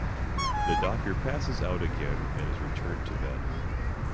The Doctor passes out again and is returned to bed.